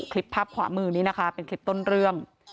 คลิปภาพขวามือนี้นะคะเป็นคลิปต้นเรื่อง